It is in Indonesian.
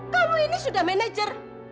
kamu ini sudah manajer